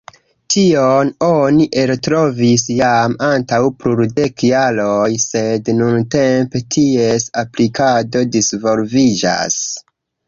Tion oni eltrovis jam antaŭ plurdek jaroj, sed nuntempe ties aplikado disvolviĝas.